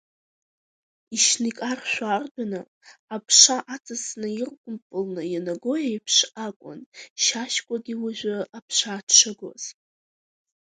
Ишьны икаршәу ардәына, аԥша аҵасны иркәымпылны ианаго еиԥш акәын Шьашькәагьы уажәы аԥша дшагоз.